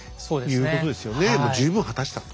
十分果たしたと。